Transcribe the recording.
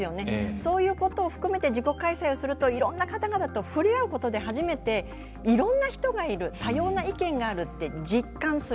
そういうことを含めて自国開催すると、いろんな方々と触れ合うことで初めていろんな人がいる多様な意見があるって実感する。